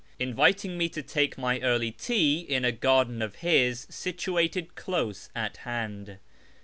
inviting me to take my early tea in a garden of his situated close at hand.